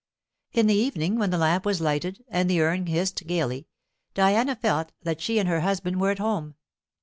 In the evening, when the lamp was lighted and the urn hissed gaily, Diana felt that she and her husband were at home.